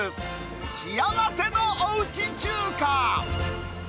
幸せのおうち中華。